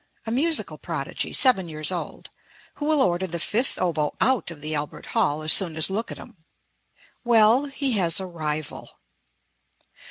A musical prodigy, seven years old, who will order the fifth oboe out of the Albert Hall as soon as look at him. Well, he has a rival.